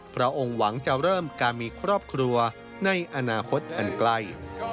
พระองค์หวังจะเริ่มการมีครอบครัวในอนาคตอันใกล้